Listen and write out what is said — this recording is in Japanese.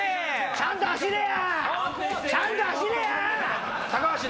ちゃんと走れや！